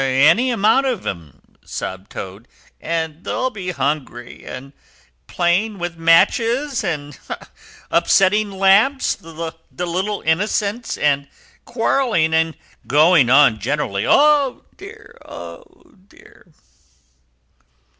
"Any amount of 'em," sobbed Toad. "And they'll be hungry—and playing with matches—and upsetting lamps, the little innocents!—and quarrelling, and going on generally. O dear, O dear!"